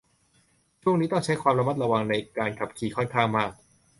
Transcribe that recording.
ช่วงนี้ต้องใช้ความระมัดระวังในการขับขี่ค่อนข้างมาก